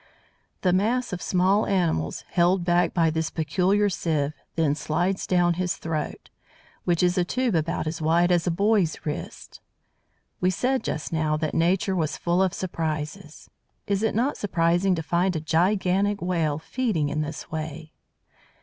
The mass of small animals, held back by this peculiar sieve, then slides down his throat, which is a tube about as wide as a boy's wrist! We said just now that Nature was full of surprises. Is it not surprising to find a gigantic Whale feeding in this way!